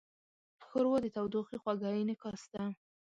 ښوروا د تودوخې خوږه انعکاس ده.